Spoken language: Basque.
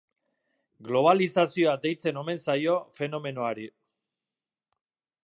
Globalizazioa deitzen omen zaio fenomenoari.